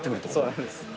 そうなんです。